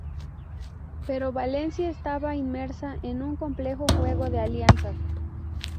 Pero Valencia estaba inmersa en un complejo juego de alianzas.